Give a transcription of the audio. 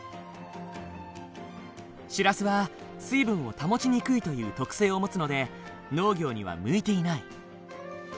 シラスは水分を保ちにくいという特性を持つので農業には向いていない。